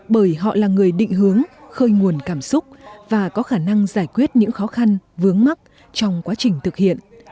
bởi họ là người định hướng khơi nguồn cảm xúc và có khả năng giải quyết những khó khăn vướng mắt trong quá trình thực hiện